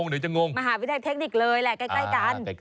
เดี๋ยวจะงงมหาวิทยาลัยเทคนิคเลยแหละใกล้กัน